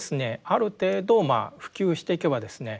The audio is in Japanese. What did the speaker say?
ある程度まあ普及していけばですね